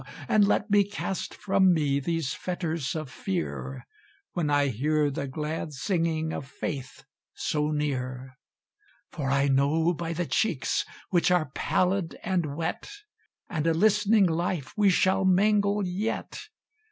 And let me cast from me these fetters of Fear, When I hear the glad singing of Faith so near; For I know by the cheeks, which are pallid and wet, And a listening life we shall mingle yet!